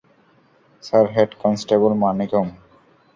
Sir, head constable Manickam.